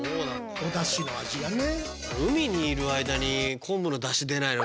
おだしの味がね。